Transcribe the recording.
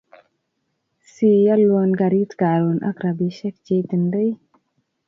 Siyalwan karit karun ak rapishek chetindoi